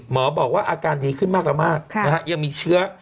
หมอบอกว่าอาการนี้ขึ้นมากยังมีเชื้อ